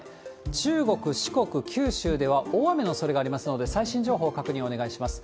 中国、四国、九州では、大雨のおそれがありますので、最新情報、確認お願いします。